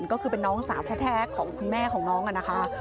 ก็คือเป็นน้องสาวแท้ของคุณแม่ของน้องอะนะคะ